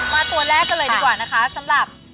ตัวแรกกันเลยดีกว่านะคะสำหรับ